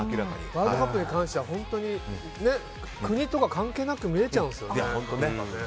ワールドカップに関しては本当に国とか関係なく見れちゃうんですよね。